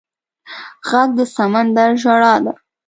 غږ د سمندر ژړا ده